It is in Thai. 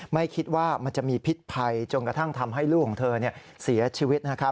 ไม่คิดว่ามันจะมีพิษภัยจนกระทั่งทำให้ลูกของเธอเสียชีวิต